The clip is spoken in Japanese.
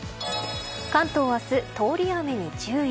関東は明日通り雨に注意。